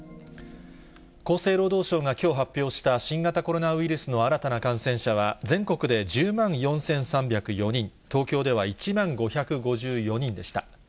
厚生労働省がきょう発表した新型コロナウイルスの新たな感染者は、全国で１０万４３０４人、東京では１万５５４人でした。